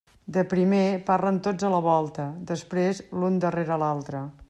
De primer parlen tots a la volta, després l'un darrere l'altre.